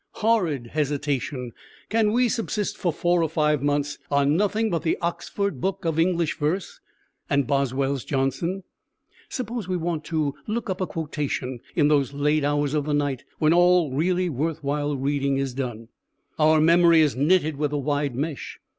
Horrid hesitation: can we subsist for four or five months on nothing but the "Oxford Book of English Verse" and Boswell's Johnson? Suppose we want to look up a quotation, in those late hours of the night when all really worthwhile reading is done? Our memory is knitted with a wide mesh.